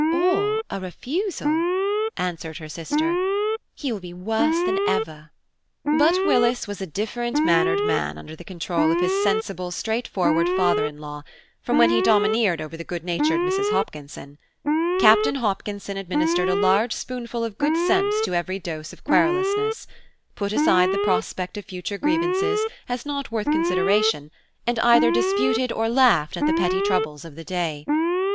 "Or a refusal," answered her sister; "he will be worse than ever." But Willis was a different mannered man under the control of his sensible, straightforward father in law, from when he domineered over the good natured Mrs. Hopkinson. Captain Hopkinson administered a large spoonful of good sense to every dose of querulousness–put aside the prospect of future grievances, as not worth consideration, and either disputed or laughed at the petty troubles of the day.